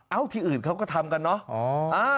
ที่อื่นเขาก็ทำกันเนอะ